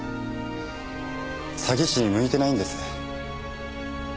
詐欺師に向いてないんです。